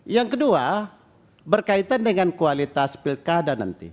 yang kedua berkaitan dengan kualitas pilkada nanti